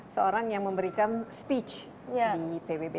seorang yang memberikan speech di pbb